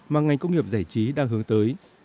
mà ngành công nghiệp giải trí đang hướng tới